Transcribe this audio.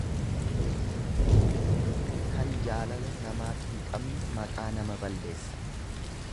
Kan jaalala namaaf hin qabne maqaa nama balleessa.